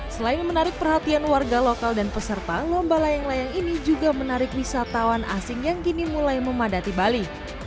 selain menarik perhatian warga lokal dan peserta lomba layang layang ini juga menarik wisatawan asing yang kini mulai memadati bali